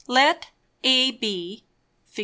_ Let AB (_Fig.